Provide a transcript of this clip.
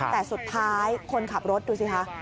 แต่สุดท้ายคนขับรถดูสิคะ